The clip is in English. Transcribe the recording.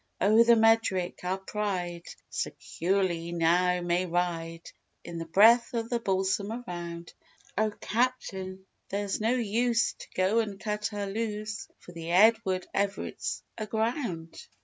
Oh, the Medric, our pride, securely now may ride, In the breath of the balsam around, "Oh, Captain, there's no use, to go and cut her loose, For the Edward Everett's aground."